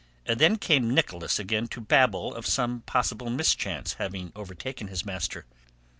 Then came Nicholas again to babble of some possible mischance having overtaken his master.